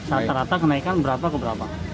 rata rata kenaikan berapa ke berapa